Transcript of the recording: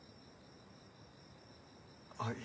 はい。